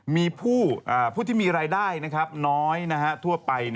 มีผู้ที่มีรายได้น้อยทั่วไป